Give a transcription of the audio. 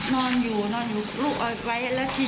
นอนอยู่นอนอยู่ลูกออกมาไม่ได้